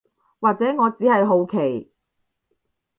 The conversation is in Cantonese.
或者我只係好奇